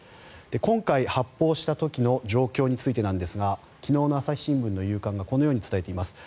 今回、発砲した時の状況についてなんですが昨日の朝日新聞の夕刊がこのように伝えています。